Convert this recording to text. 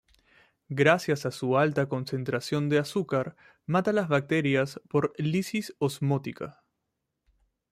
Gracias a su alta concentración de azúcar, mata a las bacterias por lisis osmótica.